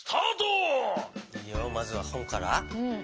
まずはほんから？